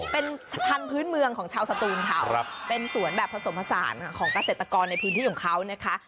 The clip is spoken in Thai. เป็นพันธุ์พื้นเมืองของชาวสตูนเขาเป็นสวนแบบผสมผสานของเกษตรกรในพื้นที่ของเขานะคะ